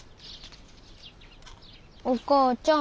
お母ちゃん。